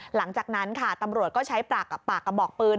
หลังจากนั้นค่ะตำรวจก็ใช้ปากกับปากกระบอกปืน